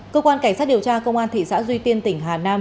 cơ quan cảnh sát điều tra công an thị xã duy tiên tỉnh hà nam